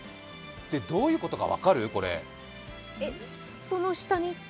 どういうことか分かる？